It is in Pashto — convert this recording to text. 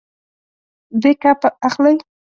بیک اپ اخلئ؟